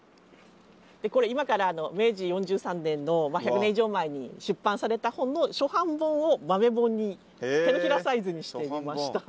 でこれ今から明治４３年のまあ１００年以上前に出版された本の初版本を豆本に手のひらサイズにしてみました。